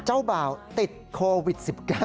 เจ้าบ่าวติดโควิด๑๙